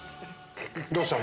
どうしたの？